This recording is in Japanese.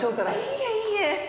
いえいえ。